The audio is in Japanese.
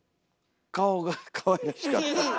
顔がかわいらしかった。